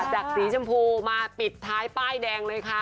จากสีชมพูมาปิดท้ายป้ายแดงเลยค่ะ